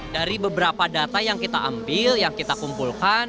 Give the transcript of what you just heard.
dari beberapa data yang kita ambil yang kita kumpulkan